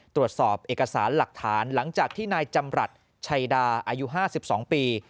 ตรวจสอบเอกสารหลักฐานหลังจากที่นายจำรัฐชัยดาอายุ๕๒ปี